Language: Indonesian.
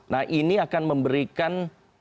nah ini akan memberikan